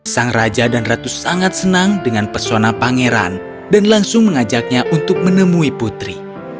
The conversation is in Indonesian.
sang raja dan ratu sangat senang dengan persona pangeran dan langsung mengajaknya untuk menemui putri